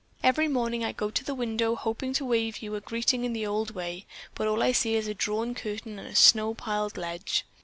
Every morning I go to the window hoping to wave you a greeting in the old way, but all I see is a drawn curtain and a snow piled ledge.